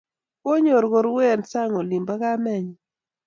Kinyor koruei eng sang olibo kamenyi